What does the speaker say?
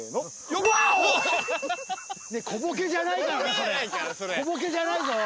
小ボケじゃないぞ。